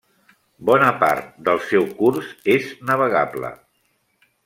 Bona part del seu curs és navegable.